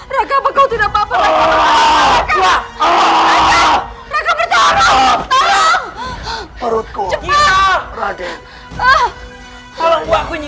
raga raga bertolong tolong perutku kita raden